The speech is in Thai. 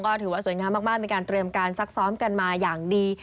ก็ถือว่าสวยงามมากมีการเตรียมการซักซ้อมกันมาอย่างดี